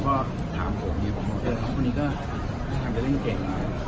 เขาก็ถามผมอย่างนี้ผมเหมือนเขาน้องน้องน้องนี้ก็ทางจะเล่นเก่ง